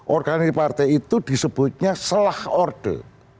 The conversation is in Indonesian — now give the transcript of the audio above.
organisasi partai itu disebutnya selah orde